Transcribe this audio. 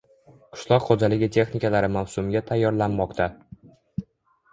Qishloq xo‘jaligi texnikalari mavsumga tayyorlanmoqda